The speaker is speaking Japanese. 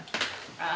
ああ。